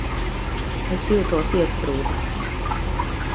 Es jūtos iesprūdis.